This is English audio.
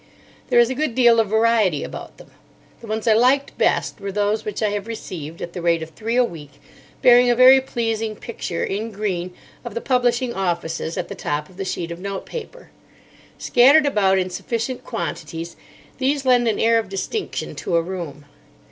There is a good deal of variety about them. The ones I liked best were those which I received, at the rate of three a week, bearing a very pleasing picture, in green, of the publishing offices at the top of the sheet of note paper. Scattered about in sufficient quantities, these lend an air of distinction to a room.